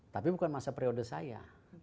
tapi bukan masa periode saya